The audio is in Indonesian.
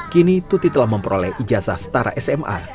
kini tuti telah memperoleh ijazah setara sma